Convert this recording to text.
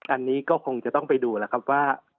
อันนี้ก็คงจะต้องไปดูแล้วครับว่า